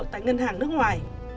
tại ngân hàng nước ngoài